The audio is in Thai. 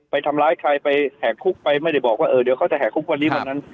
ไปทำร้ายใครไปแหกคุกไปไม่ได้บอกว่าเออเดี๋ยวเขาจะแหกคุกวันนี้วันนั้น